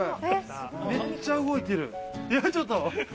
めっちゃ動いてる。